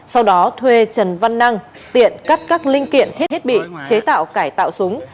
sau đó thuê trần văn năng tiện cắt các linh kiện thiết thiết bị chế tạo cải tạo súng